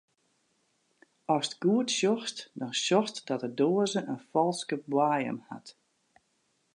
Ast goed sjochst, dan sjochst dat de doaze in falske boaiem hat.